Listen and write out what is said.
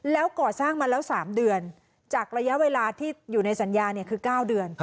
แล้วก่อสร้างมาแล้ว๓เดือนจากระยะเวลาที่อยู่ในสัญญาคือ๙เดือน